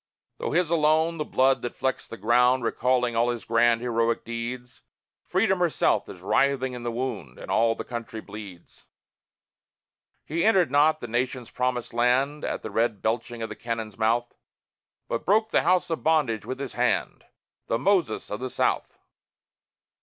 Though his alone the blood that flecks the ground, Recalling all his grand, heroic deeds, Freedom herself is writhing in the wound, And all the country bleeds. He entered not the nation's Promised Land At the red belching of the cannon's mouth, But broke the House of Bondage with his hand The Moses of the South!